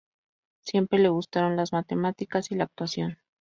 Siempre le gustaron las matemáticas y la actuación.